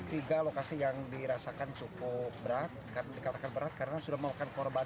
tiga lokasi yang dirasakan cukup berat dikatakan berat karena sudah memakan korban